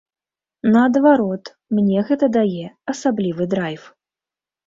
Наадварот, мне гэта дае асаблівы драйв.